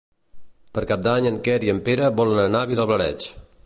Per Cap d'Any en Quer i en Pere volen anar a Vilablareix.